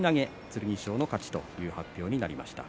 剣翔の勝ちという発表になりました。